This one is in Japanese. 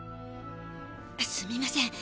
すみません。